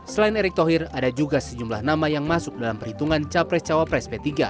selain erick thohir ada juga sejumlah nama yang masuk dalam perhitungan capres cawapres p tiga